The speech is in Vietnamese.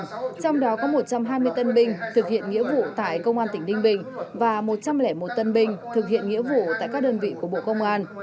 trong đó có một trăm hai mươi tân binh thực hiện nghĩa vụ tại công an tỉnh ninh bình và một trăm linh một tân binh thực hiện nghĩa vụ tại các đơn vị của bộ công an